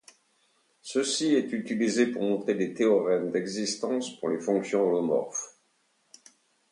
Ceci est utilisé pour montrer des théorèmes d'existence pour les fonctions holomorphes.